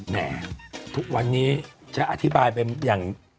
แหมทุกวันนี้จะอธิบายเป็นอย่าง